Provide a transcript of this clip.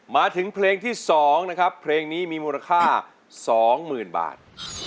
มาถึงเพลงที่๒นะครับเพลงนี้มีมูลค่า๒๐๐๐บาท